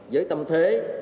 với tâm thế